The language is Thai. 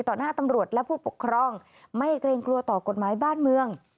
หน้าตำรวจและผู้ปกครองไม่เกรงกลัวต่อกฎหมายบ้านเมือง